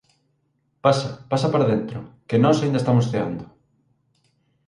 Pasa, pasa para dentro, que nós aínda estamos ceando.